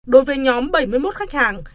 đối với nhóm bảy mươi một khách hàng